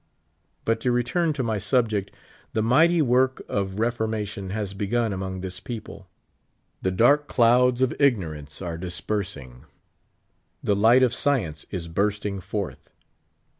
But to return to my subject. The mighty work of fp formation has begun among this people. The dark cfouds of ignorance are dispersing. The light o£ science j8 bursting forth.